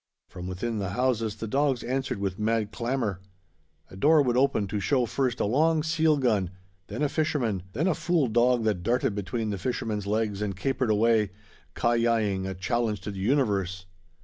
From within the houses the dogs answered with mad clamor. A door would open to show first a long seal gun, then a fisherman, then a fool dog that darted between the fisherman's legs and capered away, ki yi ing a challenge to the universe.